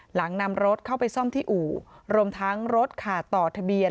หลังนำรถเข้าไปซ่อมที่อู่รวมทั้งรถขาดต่อทะเบียน